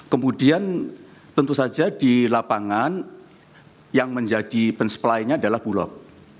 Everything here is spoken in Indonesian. kemudian tentu saja di lapangan yang menjadi pensupply nya adalah bulog